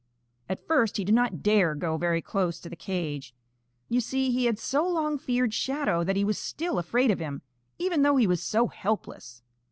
At first he did not dare go very close to the cage. You see, he had so long feared Shadow that he was still afraid of him even though he was so helpless.